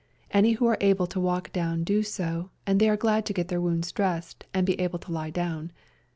Any who are able to walk down do so, and they were glad to get their wounds dressed and be able to lie down.